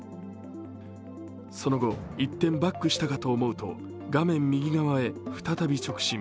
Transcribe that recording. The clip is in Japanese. その後、一転バックしたかと思うと画面右側へ再び直進。